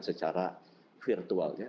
sekarang secara virtual